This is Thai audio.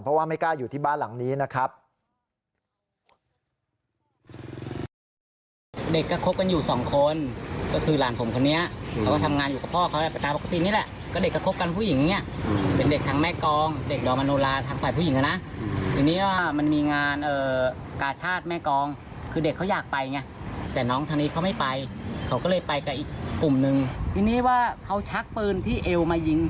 เพราะว่าไม่กล้าอยู่ที่บ้านหลังนี้นะครับ